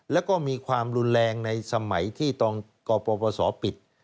แล้วก็มีความรุนแรงในสมัยที่ตอนกปศปิด